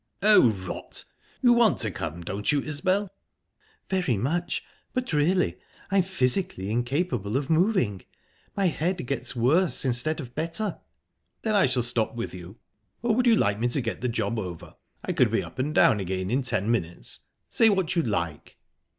"Oh, rot!...You want to come, don't you, Isbel?" "Very much. But really, I'm physically incapable of moving. My head gets worse instead of better." "Then, shall I stop with you, or would you like me to get the job over? I could be up and down again in ten minutes. Say what you'd like."